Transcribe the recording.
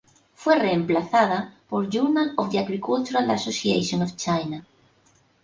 Fue reemplazada por "Journal of the Agricultural Association of China".